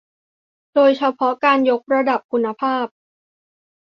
โดยเฉพาะการยกระดับคุณภาพ